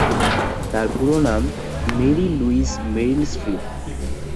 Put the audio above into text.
তার পুরো নাম "মেরি লুইস মেরিল স্ট্রিপ"।